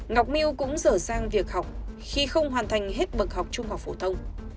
ngọc miu cũng dở sang việc học khi không hoàn thành hết bậc học trung học phổ thông